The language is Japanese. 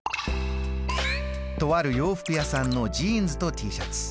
とある洋服屋さんのジーンズとＴシャツ。